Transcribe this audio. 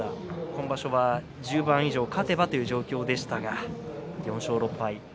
今場所は１０番以上勝てばという状況でしたが４勝６敗。